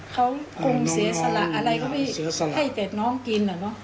เขาคุมเสียสละอะไรก็ไปให้เด็ดน้องกิน